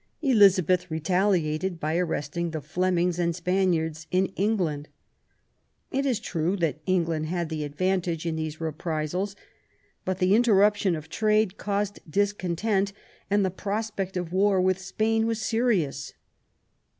Elizabeth retaliated by arresting the Flemings and Spaniards in England. It is true that England had the advantage in these reprisals ; but the interruption of trade caused discontent, and the prospect of war with Spain was serious.